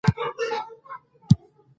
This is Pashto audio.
کروندګر د فصل لپاره مناسب وخت ټاکي